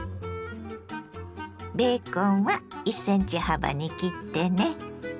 ベーコンは１ｃｍ幅に切ってね。